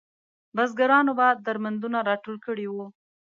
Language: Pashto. بزګرانو به درمندونه راټول کړي وو.